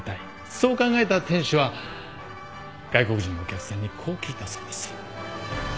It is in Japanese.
そう考えた店主は外国人のお客さんにこう聞いたそうです。